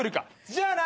じゃあな。